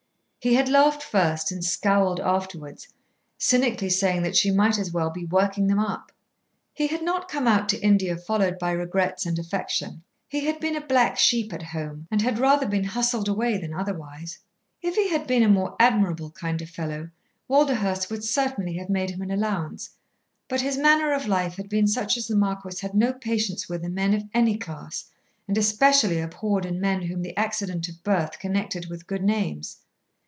He had laughed first and scowled afterwards, cynically saying that she might as well be working them up. He had not come out to India followed by regrets and affection. He had been a black sheep at home, and had rather been hustled away than otherwise. If he had been a more admirable kind of fellow, Walderhurst would certainly have made him an allowance; but his manner of life had been such as the Marquis had no patience with in men of any class, and especially abhorred in men whom the accident of birth connected with good names.